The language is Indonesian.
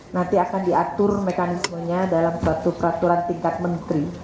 nanti akan diatur mekanismenya dalam suatu peraturan tingkat menteri